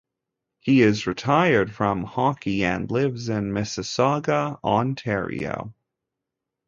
He is retired from hockey, and lives in Mississauga, Ontario.